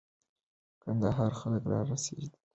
کندهار خلک را رسېدلي دي.